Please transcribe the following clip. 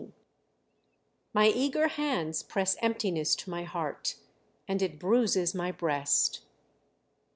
XIX My eager hands press emptiness to my heart, and it bruises my breast.